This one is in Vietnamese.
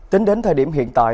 tính đến thời điểm hiện tại